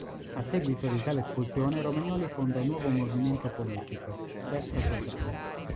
A seguito di tale espulsione Romagnoli fonda un nuovo movimento politico, "Destra Sociale".